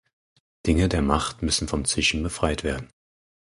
Dinge der Macht müssen vom Zischen befreit werden.